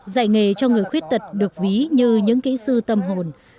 dạy nghề cho người khuyết tật được ví như những kỹ sư tâm hồn